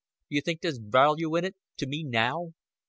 D'you think there's vaarlue in it to me now?"